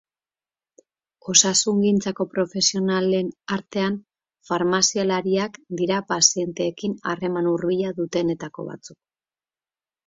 Osasungintzako profesionalen artean, farmazialariak dira pazienteekin harreman hurbila dutenetako batzuk.